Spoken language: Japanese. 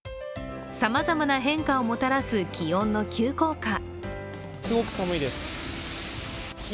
さまざまな変化をもたらす気温の急降下。